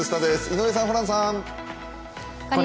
井上さん、ホランさん。